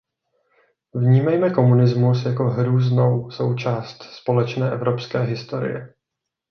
Vnímejme komunismus jako hrůznou součást společné evropské historie.